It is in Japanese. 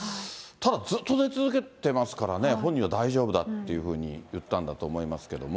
ただ、ずっと出続けてますからね、本人は大丈夫だというふうに言ったんだと思いますけれども。